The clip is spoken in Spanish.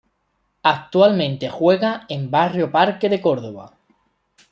Actualmente juega en Barrio Parque de Córdoba.